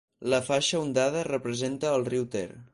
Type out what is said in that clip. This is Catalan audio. La faixa ondada representa al riu Ter.